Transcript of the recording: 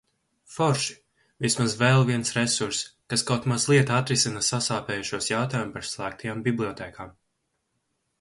Forši, vismaz vēl viens resurss, kas kaut mazliet atrisina sasāpējušos jautājumu par slēgtajām bibliotēkām.